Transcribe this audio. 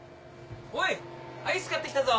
おいアイス買ってきたぞ